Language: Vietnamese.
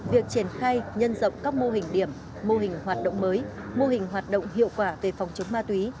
việc triển khai nhân rộng các mô hình điểm mô hình hoạt động mới mô hình hoạt động hiệu quả về phòng chống ma túy